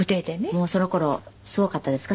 もうその頃すごかったですか？